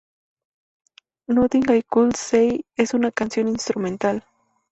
Nothing I Could Say es una canción instrumental.